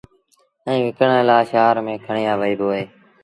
ائيٚݩ وڪڻڻ لآ شآهر ميݩ کڻي وهيٚبو اهي